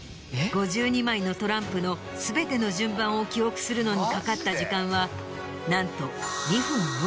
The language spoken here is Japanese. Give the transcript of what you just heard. ５２枚のトランプの全ての順番を記憶するのにかかった時間は何と。